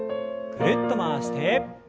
ぐるっと回して。